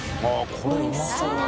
これうまそうだな。